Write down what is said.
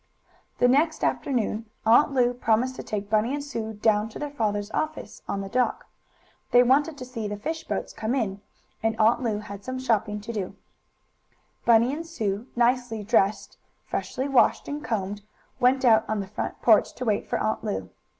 The next afternoon Aunt Lu promised to take Bunny and Sue down to their father's office, on the dock. They wanted to see the fish boats come in, and Aunt Lu had some shopping to do. Bunny and Sue, nicely dressed, freshly washed and combed, went out on the front porch to wait for Aunt Lu.